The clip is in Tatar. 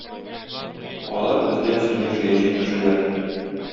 Алар - бездән соң яшәячәк кешеләр.